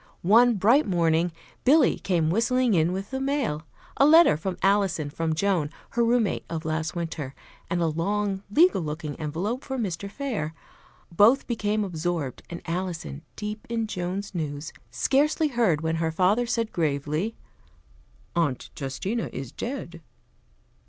One bright morning Billy came whistling in with the mail; a letter for Alison from Joan, her roommate of last winter, and a long, legal looking envelope for Mr. Fair. Both became absorbed, and Alison, deep in Joan's news, scarcely heard when her father said gravely, "Aunt Justina is dead."